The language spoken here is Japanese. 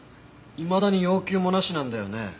いまだに要求もなしなんだよね？